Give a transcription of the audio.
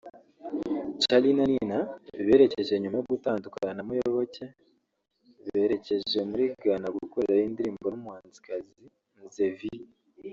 Charly na Nina berekeje nyuma yo gutandukana na Muyoboke berekeje muri Ghana gukorerayo indirimbo n’ umuhanzikazi Mz Vee